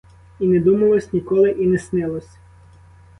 І не думалось ніколи, і не снилось.